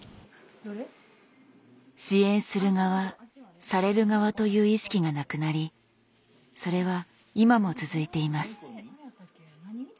支援する側される側という意識がなくなりそれは今も続いています。